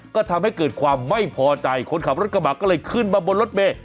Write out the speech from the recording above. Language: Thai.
ก็ทำให้เกิดความไม่พอใจคนขับรถกระบะก็เลยขึ้นมาบนรถเมย์